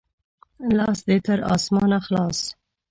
لاس دې تر اسمانه خلاص!